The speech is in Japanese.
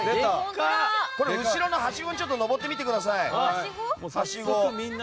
後ろのはしごに上ってみてください。